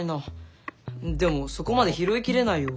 でもそこまで拾いきれないよ。